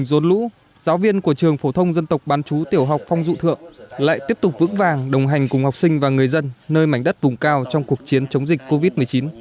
trong dồn lũ giáo viên của trường phổ thông dân tộc bán chú tiểu học phong dụ thượng lại tiếp tục vững vàng đồng hành cùng học sinh và người dân nơi mảnh đất vùng cao trong cuộc chiến chống dịch covid một mươi chín